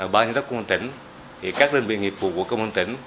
bác nhân đốc công an tỉnh các linh viên nghiệp vụ của công an tỉnh